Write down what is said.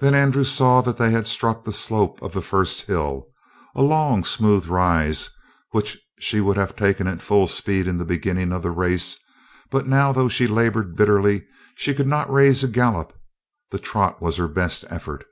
Then Andrew saw that they had struck the slope of the first hill, a long, smooth rise which she would have taken at full speed in the beginning of the race, but now though she labored bitterly, she could not raise a gallop. The trot was her best effort.